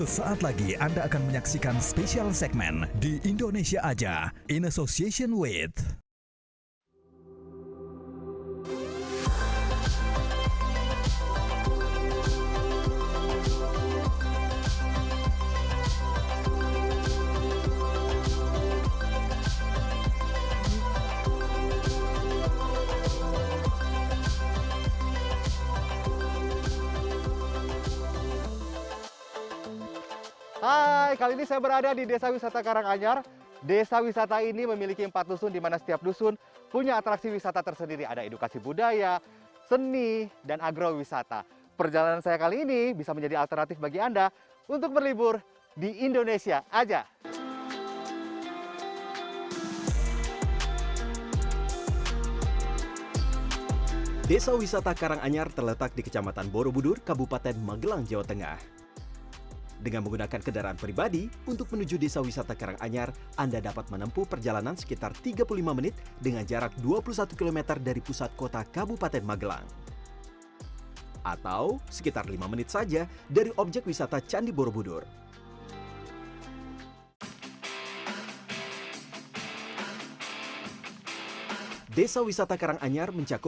sampai jumpa di video selanjutnya